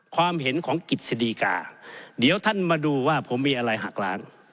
ความเห็นของกิจสดีกาเดี๋ยวท่านมาดูว่าผมมีอะไรหักล้าง